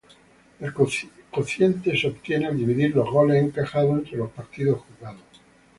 El cociente se obtiene al dividir los goles encajados entre los partidos jugados.